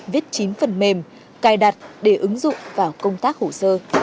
viết chín phần mềm cài đặt để ứng dụng vào công tác hồ sơ